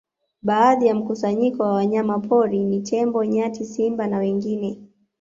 Baadhi ya mkusanyiko wa wanyama pori ni tembo nyati simba na wengine